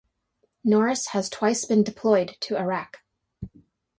Norris has twice been deployed to Iraq.